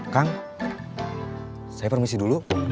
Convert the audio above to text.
kang saya permisi dulu